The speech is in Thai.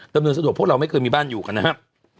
ดำเนินสะดวกพวกเราไม่เคยมีบ้านอยู่กันนะครับ